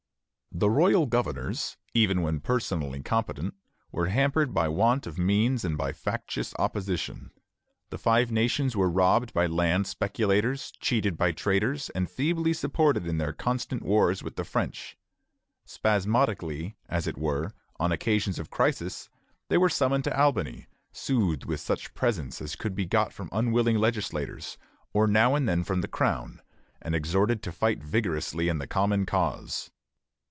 The royal governors, even when personally competent, were hampered by want of means and by factious opposition. The Five Nations were robbed by land speculators, cheated by traders, and feebly supported in their constant wars with the French. Spasmodically, as it were, on occasions of crisis, they were summoned to Albany, soothed with such presents as could be got from unwilling legislators, or now and then from the Crown, and exhorted to fight vigorously in the common cause.